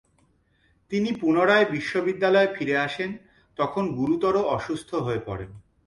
তিনি পুনরায় বিশ্ববিদ্যালয়ে ফিরে আসেন তখন গুরুতর অসুস্থ হয়ে পড়েন।